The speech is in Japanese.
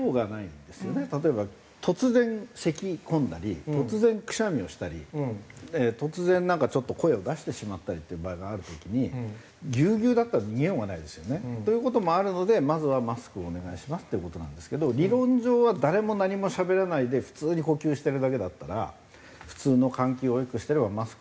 例えば突然せき込んだり突然くしゃみをしたり突然なんかちょっと声を出してしまったりっていう場合がある時にギュウギュウだったら逃げようがないですよね。という事もあるのでまずはマスクをお願いしますっていう事なんですけど理論上は誰も何もしゃべらないで普通に呼吸してるだけだったら普通の換気をよくしてればマスクはいらないです。